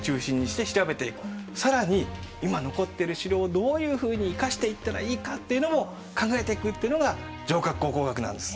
更に今残ってる城をどういうふうに生かしていったらいいかっていうのも考えていくっていうのが城郭考古学なんです。